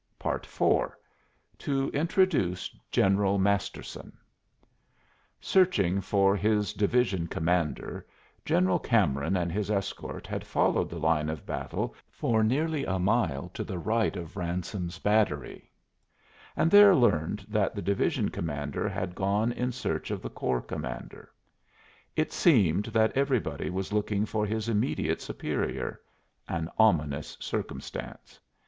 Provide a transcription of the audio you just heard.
IV. TO INTRODUCE GENERAL MASTERSON Searching for his division commander, General Cameron and his escort had followed the line of battle for nearly a mile to the right of Ransome's battery, and there learned that the division commander had gone in search of the corps commander. It seemed that everybody was looking for his immediate superior an ominous circumstance.